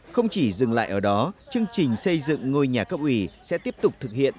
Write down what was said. không chỉ dừng lại ở đó chương trình xây dựng ngôi nhà cấp ủy sẽ tiếp tục thực hiện